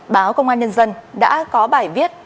báo công an nhân dân đã có bài viết